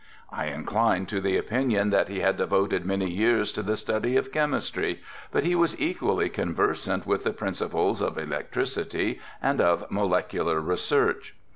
I inclined to the opinion that he had devoted many years to the study of chemistry, but he was equally conversant with the principles of electricity and of molecular research.